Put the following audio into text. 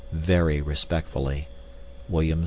Very respectfully, WM.